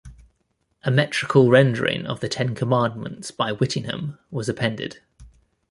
A metrical rendering of the Ten Commandments by Whittingham was appended.